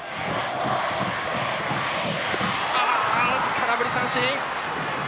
空振り三振！